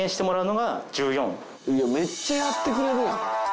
いやめっちゃやってくれるやん。